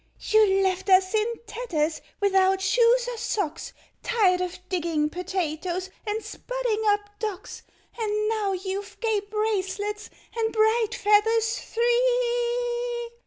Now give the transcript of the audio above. —"You left us in tatters, without shoes or socks, Tired of digging potatoes, and spudding up docks; And now you've gay bracelets and bright feathers three!"